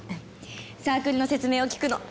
サークルの説明を聞くの。